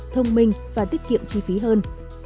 thông minh và tiết kiệm chi phí hơn